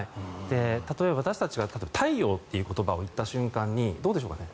例えば、私たちが太陽といった瞬間にどうでしょうかね。